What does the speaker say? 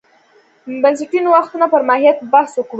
بنسټي نوښتونو پر ماهیت به بحث وکړو.